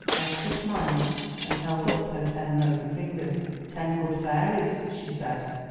Elsa smiled and held up her ten rosy fingers. 'Ten good fairies, she said.